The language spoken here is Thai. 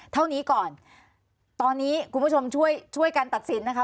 เท่านี้ก่อนตอนนี้คุณผู้ชมช่วยช่วยกันตัดสินนะคะ